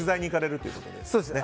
そうですね。